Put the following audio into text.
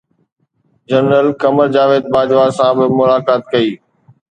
general Qamar Javed Bajwa سان به ملاقات ڪئي